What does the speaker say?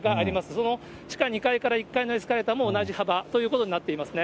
その地下２階から１階のエスカレーターも同じ幅ということになっていますね。